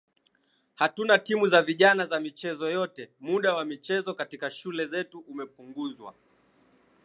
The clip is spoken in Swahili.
Hatuna timu za vijana za michezo yote muda wa michezo katika shule zetu umepunguzwa